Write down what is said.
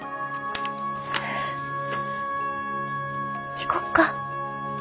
行こっか。